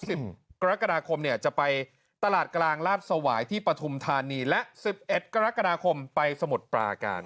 สิบกรกฎาคมเนี่ยจะไปตลาดกลางลาดสวายที่ปฐุมธานีและสิบเอ็ดกรกฎาคมไปสมุทรปราการ